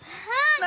何？